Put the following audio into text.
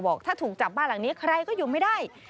ถ้าถูกจับบ้านหลังนี้ใครก็อยู่ไม่ได้